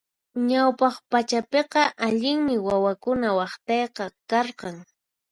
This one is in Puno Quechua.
Ñawpaq pachapiqa allinmi wawakuna waqtayqa karqan.